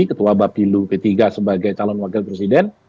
ketua bapilu p tiga sebagai calon wakil presiden